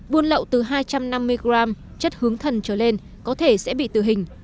buôn lậu từ hai trăm năm mươi g chất hướng thần trở lên có thể sẽ bị tử hình